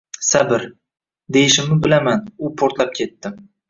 — Sabr!.. — deyishimni bilaman, u portlab ketdi: